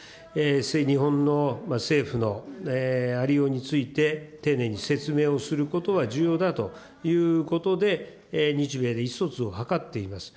日本の政府のありようについて、丁寧に説明をすることは重要だということで、日米で意思疎通を図っています。